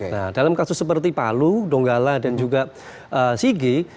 nah dalam kasus seperti palu donggala dan juga sigi